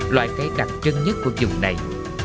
loại cái đặc trân nhất của vùng này